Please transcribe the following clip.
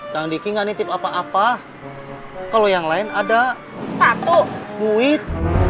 tanggiki gak nitip apa apa kalau yang lain ada patuh duit